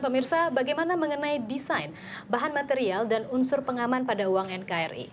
pemirsa bagaimana mengenai desain bahan material dan unsur pengaman pada uang nkri